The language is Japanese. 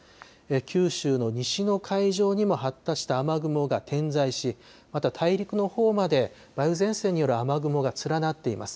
九州の西の海上にも発達した雨雲が点在し、また大陸のほうまで梅雨前線による雨雲が連なっています。